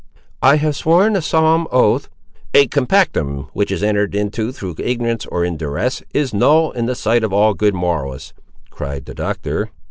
"I have sworn a solemn oath—" "A compactum which is entered into through ignorance, or in duresse, is null in the sight of all good moralists," cried the Doctor.